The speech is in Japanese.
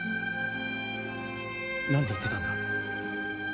何て言ってたんだ？